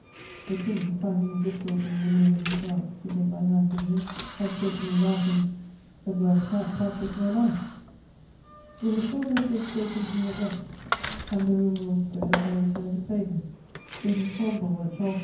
The King, finding a difficulty in removing his gloves to take my hands in his, had said to me, laughing: "A gloved cat catches no mice." It was thought that he had spoken to me at length, and the rumour was spread of my return to favour. It is probable that Charles X.